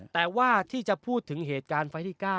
แต่ว่าที่จะพูดถึงเหตุการณ์ไฟล์ที่๙